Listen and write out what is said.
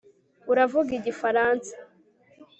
Uravuga Igifaransa